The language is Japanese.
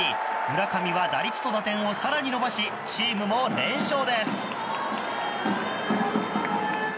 村上は打率と打点を更に伸ばしチームも連勝です。